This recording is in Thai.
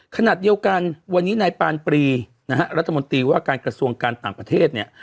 ขณะเดียวกันวันนี้นายปานปรีนะฮะรัฐมนตรีว่าการกระทรวงการต่างประเทศเนี่ย